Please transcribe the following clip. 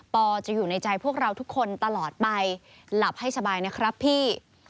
จะอยู่ในใจพวกเราทุกคนตลอดไปหลับให้สบายนะครับพี่